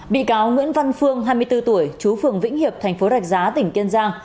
bị cáo nguyễn văn phương hai mươi bốn tuổi chú phường vĩnh hiệp thành phố rạch giá tỉnh kiên giang